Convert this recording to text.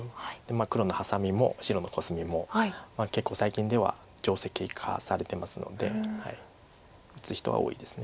黒のハサミも白のコスミも結構最近では定石化されてますので打つ人は多いです。